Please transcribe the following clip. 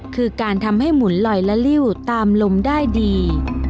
คือการทำให้หมุนลอยและลิ้วตามลมได้ดี